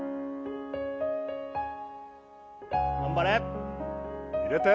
頑張れ入れて！